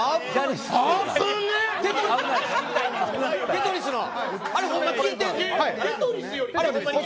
テトリスの。